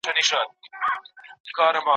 ته تر کومه انتظار کوې بې بخته